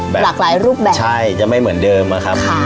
หลากหลายรูปแบบใช่จะไม่เหมือนเดิมอะครับ